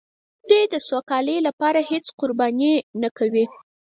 دوی د سوکالۍ لپاره هېڅ قرباني نه کوي.